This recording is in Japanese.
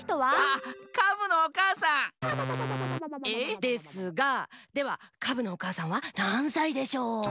ですがではカブのおかあさんはなんさいでしょう？